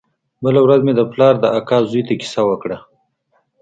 بله ورځ مې د پلار د اکا زوى ته کيسه وکړه.